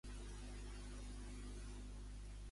Com ha valorat la situació Puig?